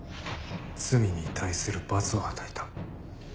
罪に対する罰を与えた。